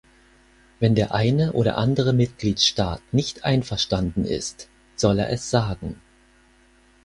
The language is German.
Wenn der eine oder andere Mitgliedstaat nicht einverstanden ist, soll er es sagen.